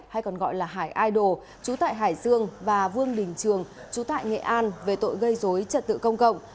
hay còn gọi là hải idol chú tại hải dương và vương bình trường chú tại nghệ an về tội gây dối trật tự công cộng